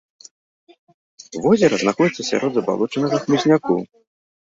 Возера знаходзіцца сярод забалочанага хмызняку.